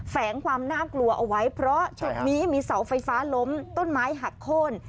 แฝงความน่ากลัวเอาไว้เพราะจุดนี้มีเสาไฟฟ้าล้มต้นไม้หักโค้น